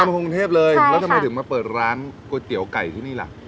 มากรุงเทพเลยแล้วทำไมถึงมาเปิดร้านก๋วยเตี๋ยวไก่ที่นี่ล่ะ